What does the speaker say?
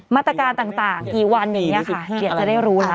มาตรการต่างกี่วันอย่างนี้ค่ะเดี๋ยวจะได้รู้แล้ว